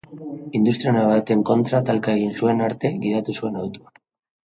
Industria-nabe baten kontra talka egin zuen arte gidatu zuen autoa.